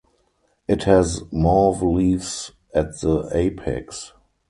It has mauve leaves at the apex.